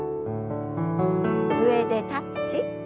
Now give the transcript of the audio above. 上でタッチ。